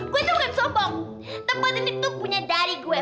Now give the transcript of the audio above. gue tuh bukan sombong tempatin itu punya dari gue